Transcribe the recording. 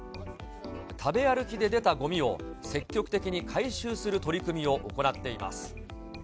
食べ歩きで出たごみを、積極的に回収する取り組みを行っています。